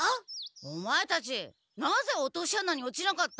オマエたちなぜ落とし穴に落ちなかった？